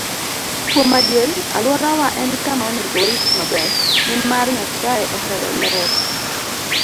Kuom adier, alworawa en kama onego warit maber, nimar Nyasaye ohero ler.